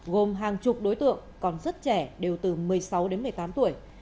gồm hàng chục đối tượng còn rất trẻ đều từ một mươi sáu đến một mươi tám tuổi